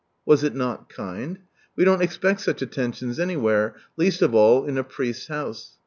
Was it not kind? We don't expect soch attentions anywhere, least of all in a priest's house.